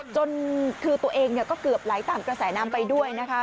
จนคือตัวเองก็เกือบไหลตามกระแสน้ำไปด้วยนะคะ